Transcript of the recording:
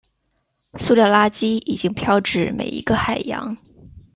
塑料垃圾已经飘至每一个海洋。